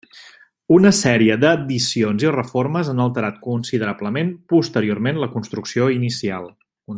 Una sèrie d'addicions i reformes han alterat considerablement posteriorment la construcció inicial.